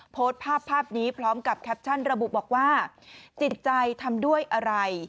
โพสต์ภาพภาพนี้พร้อมกับแคปชั่นระบุบอกว่าจิตใจทำด้วยอะไร